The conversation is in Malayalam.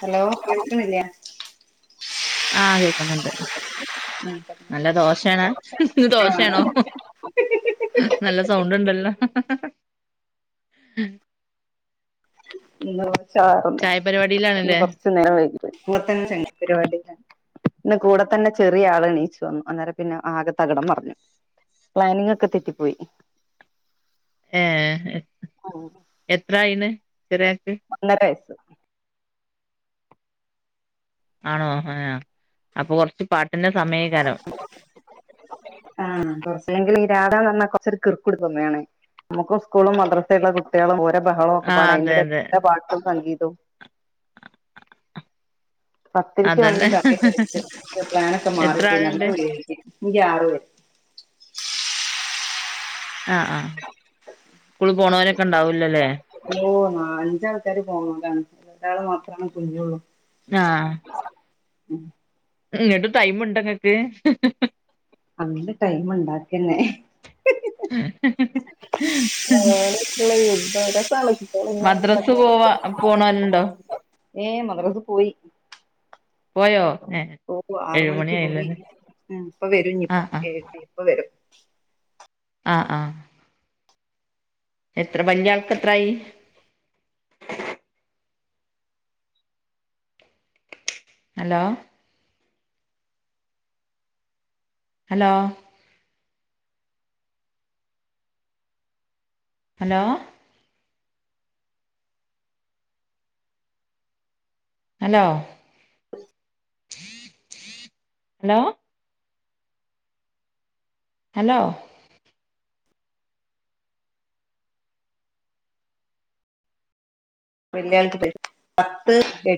ഹലോ കേക്കിണില്ല്യേ ആഹ് കേക്കുന്നുണ്ട് നല്ല ദോശാണ ആഹ് ദോശാണോ നല്ല സൗണ്ട് ഉണ്ടല്ലോ. ഇന്ന് കുറച്ചാറോ ചായ ഇന്ന് പരിപാടിയിലാണല്ലേ കൊറച്ച നേരം വൈകി പോയി ഇന്നെ പരിപാടി [unintelligible] ഇന്ന് കൂടെ തന്നെ ചെറിയാള് എണീച്ചു വന്നു അന്നേരം പിന്നെ ആകെ തകിടം മറിഞ്ഞു പ്ലാനിങ് ഒക്കെ തെറ്റിപ്പോയി ഏഹ് [inaudible] എത്രായിയിണ് ചെറയാക്ക് ഒന്നര വയസ്സ് ആണോ ഹാ അപ്പൊ കൊർച്ച് പാട്ടിന്റെ സമയേകാരം ആഹ് കൊറച്ചെങ്കിലും ഈ രാധാന്ന് പറ്ഞ്ഞാ കൊറച്ചൊരു കീർക്കുട്ക്കെന്നയാണ് നമുക്ക് സ്കൂളും മദ്രസ ഉള്ള കുട്ടികളും ഓരോ ബഹളവും ഒക്കെ പാട ആഹ് അതെ അതിൻ്റെ അതെ ഇടയിലെ പാട്ടും സംഗീതവും പത്തിരിക്ക് വേണ്ടി അതന്നെ കറിയൊക്ക വെച്ച് പ്ലാനൊക്കെ എത്ര മാറിട്ട് നല്ല ആളുണ്ട് [unintelligible] [unintelligible] ആഹ് ആഹ സ്കൂളിൽ പോണവനൊക്കെ ഉണ്ടാവൂലല്ലേ ഓ ന അഞ്ചാള് [unintelligible] പോണംതണ ഒരാള് മാത്രമാണ് കുഞ്ഞള്ളൂ ആഹ് ഇങ്ട്ട് ടൈമുണ്ടങ്ങക്ക് അങ്ങന ടൈം ഉണ്ടാക്കന്നെ എഹേ ഞ്ഞങ്ങളോടെക്കള്ള യുദ്ധതാ പിന്നെ മദ്രസ് തണു പോവാ പോണോലുണ്ടോ ഏ മദ്രസ്‌ പോയി പോയോ ഏ ഓ ആറുമണിക്ക് പോയി ആഹ് ഇപ്പ വരുഞ്ഞിപ്പോ ആഹ് ആഹ് ഇപ്പ വരും ആഹ് ആഹ എത്ര വല്ല്യാൾക്ക് എത്രായി ഹലോ ഹലോ ഹലോ ഹലോ ലോ ഹലോ [unintelligible] പത്ത് എ